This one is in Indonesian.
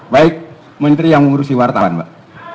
baik menteri yang mengurusi wartawan pak